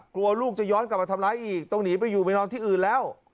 กลัวลูกจะย้อนกลับมาทำร้ายอีกต้องหนีไปอยู่ไปนอนที่อื่นแล้ว